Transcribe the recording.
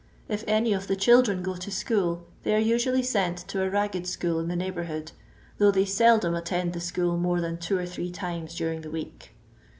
If any of the children go to school, they are usually sent to a ragged school in the neighbourhood, though they seldom attend the school more than two or three times during the week.